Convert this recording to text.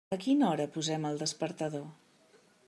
A quina hora posem el despertador?